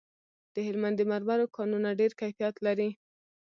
د هلمند د مرمرو کانونه ډیر کیفیت لري